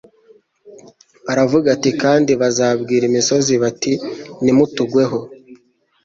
Aravuga ati: "Kandi bazabwira imisozi : bati nimutugweho,